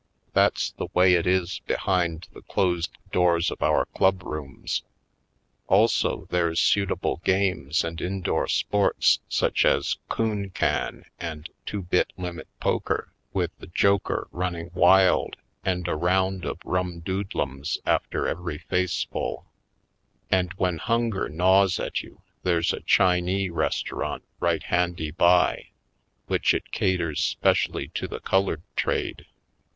That's the way it is behind the closed doors of our club rooms. Also, there's suitable games and in door sports such as coon can and two bit limit poker with the joker running wild and a round of rumdoodlums after every face full ; and when hunger gnaws at you there's a Chinee restaurant right handy by, which it caters 'specially to the colored trade.